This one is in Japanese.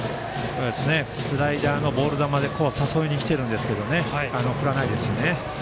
スライダーのボール球で誘いに来ているんですけど振らないですよね。